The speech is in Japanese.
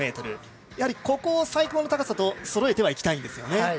やはりここを最高の高さにそろえていきたいんですね。